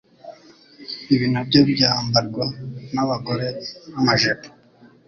ibi nabyo byambarwa nabagore nkamajipo